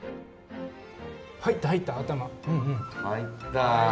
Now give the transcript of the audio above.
入った入った頭。